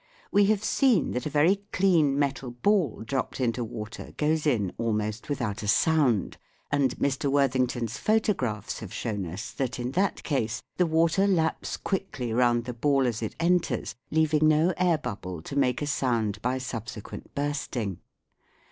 We have seen that a very clean metal ball dropped into water goes in almost without a sound, and Mr. Worthington's photographs have shown us that in that case the water laps quickly round the ball as it enters, leaving no air bubble to make a sound by subsequent bursting.